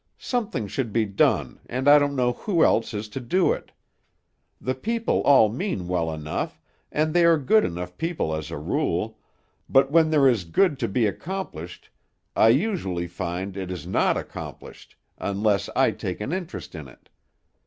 "Something should be done, and I don't know who else is to do it. The people all mean well enough, and they are good enough people as a rule; but when there is good to be accomplished, I usually find it is not accomplished unless I take an interest in it.